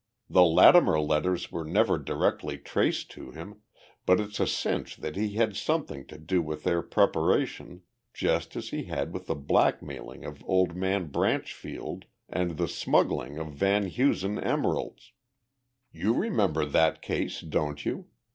The Latimer letters were never directly traced to him, but it's a cinch that he had something to do with their preparation, just as he had with the blackmailing of old man Branchfield and the smuggling of the van Husen emeralds. You remember that case, don't you?